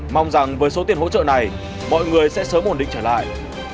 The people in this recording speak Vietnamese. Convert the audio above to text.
mong rằng với số tiền hỗ trợ này mọi người sẽ sớm ổn định trở lại